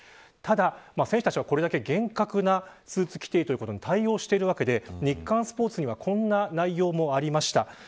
ただ、選手たちはこれだけ厳格なスーツ規定に対応しているわけで日刊スポーツにはこんな内容もありました。